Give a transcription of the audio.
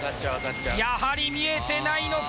やはり見えてないのか？